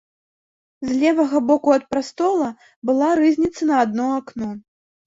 З левага боку ад прастола была рызніца на адно акно.